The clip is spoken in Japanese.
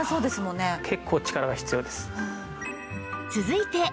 結構力が必要です。